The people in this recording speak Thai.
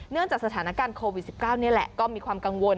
จากสถานการณ์โควิด๑๙นี่แหละก็มีความกังวล